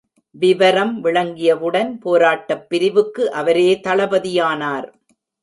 விவரம் விளங்கியவுடன் போராட்டப் பிரிவுக்கு அவரே தளபதியானார்.